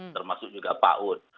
termasuk juga pak un